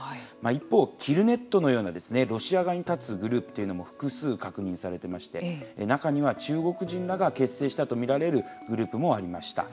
一方、ＫＩＬＬＮＥＴのようなロシア側に立つグループというのも複数確認されてまして中には、中国人らが結成したとみられるグループもありました。